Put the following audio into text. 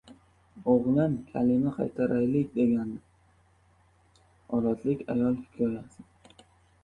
O‘g‘lim kalima qaytaraylik degandi — olotlik ayol hikoyasi